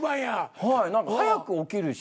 はい何か早く起きるし。